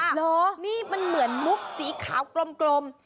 เหรอนี่มันเหมือนมุกสีขาวกลม